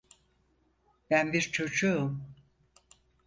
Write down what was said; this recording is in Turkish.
Ben bir çocuğum.